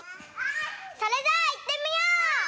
それじゃあいってみよう！